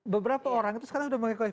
beberapa orang itu sekarang sudah mengikuti